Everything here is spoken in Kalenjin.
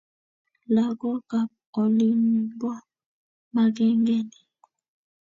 Lagokab olinbo magengeni